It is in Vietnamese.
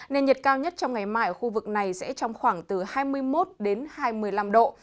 nên nhiệt cao nhất trong ngày mai ở khu vực này sẽ trong khoảng từ hai mươi một hai mươi năm độ